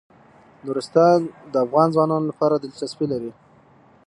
نورستان د افغان ځوانانو لپاره دلچسپي لري.